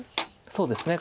そうですね。